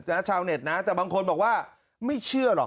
ชาวเน็ตนะแต่บางคนบอกว่าไม่เชื่อหรอก